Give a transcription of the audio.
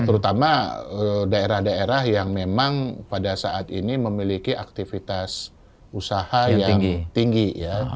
terutama daerah daerah yang memang pada saat ini memiliki aktivitas usaha yang tinggi ya